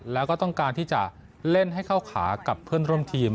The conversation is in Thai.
แล้วก็ต้องการที่จะเล่นให้เข้าขากับเพื่อนร่วมทีม